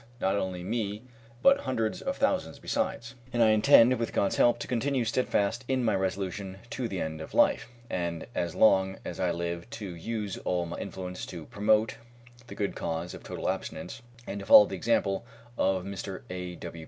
not only me, but hundreds of thousands besides; and I intend, with God's help, to continue steadfast in my resolution to the end of life, and as long, as I live to use all my influence to promote the good cause of total abstinence, and to follow the example of Mr. A.